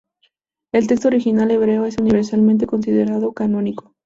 El texto original hebreo es universalmente considerado canónico.